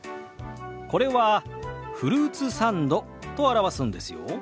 これは「フルーツサンド」と表すんですよ。